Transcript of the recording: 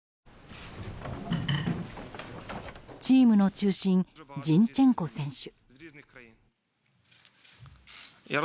チームの中心ジンチェンコ選手。